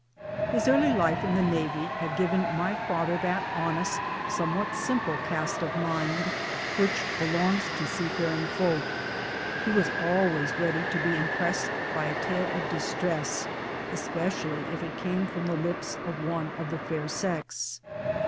His early life in the Navy had given my father that honest, somewhat simple, cast of mind which belongs to sea faring folk'. He was always ready to be impressed by a tale of distress especially if it came from the lips of one of the fair sex.